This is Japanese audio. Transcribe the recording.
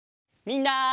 みんな！